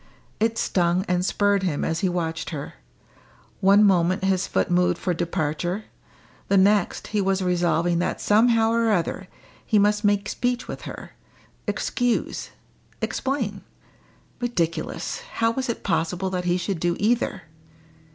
It stung and spurred him as he watched her; one moment his foot moved for departure, the next he was resolving that somehow or other he must make speech with her excuse explain. Ridiculous! How was it possible that he should do either!